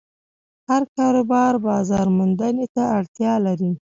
هر کاروبار بازارموندنې ته اړتیا لري.